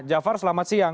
jafar selamat siang